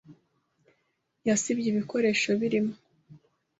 Yasibye ibikoresho birimo.